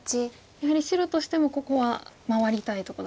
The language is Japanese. やはり白としてもここは回りたいところ。